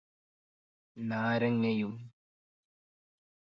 നാരങ്ങയും